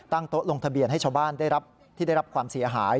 ตั้งโต๊ะลงทะเบียนให้ชาวบ้านที่ได้รับความเสียหาย